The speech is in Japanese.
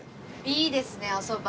いいですねおそば。